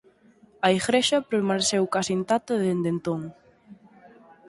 A igrexa permaneceu case intacta dende entón.